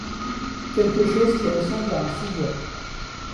Quelque chose qui ressemble à un sous-bois.